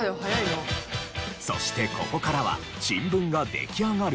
そしてここからは新聞が出来上がる前